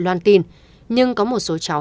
loan tin nhưng có một số cháu